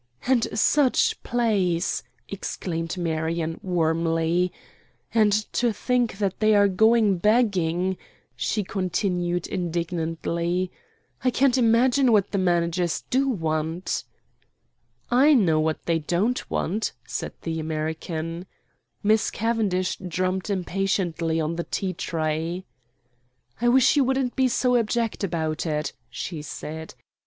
"And such plays!" exclaimed Marion, warmly; "and to think that they are going begging." She continued indignantly, "I can't imagine what the managers do want." "I know what they don't want," said the American. Miss Cavendish drummed impatiently on the tea tray. "I wish you wouldn't be so abject about it," she said.